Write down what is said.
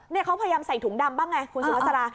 นี่เขาพยายามใส่ถุงดำบ้างไงคุณสุภาษา